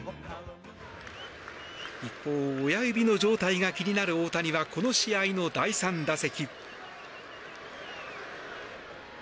一方親指の状態が気になる大谷はこの試合の第３打席。